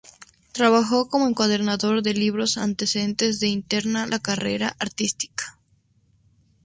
Trabajó como encuadernador de libros antes de intentar la carrera artística.